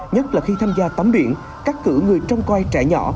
nhất là khi tham gia tắm biển cắt cửa người trong coi trẻ nhỏ